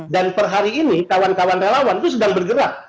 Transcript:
dan per hari ini kawan kawan relawan itu sedang bergerak